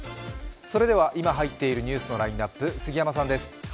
それでは今入っているニュースのラインナップ、杉山さんです。